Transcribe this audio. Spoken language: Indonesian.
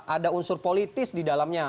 ada unsur politis di dalamnya